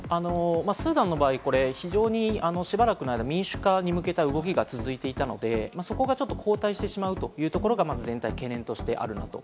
スーダンの場合、非常にしばらくの間、民主化に向けた動きが続いていたので、そこが後退してしまうというところがまず全体の懸念としてあるなと。